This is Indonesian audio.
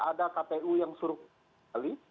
tidak ada kpu yang suruh